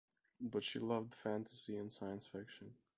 But she loved Fantasy and Science fiction.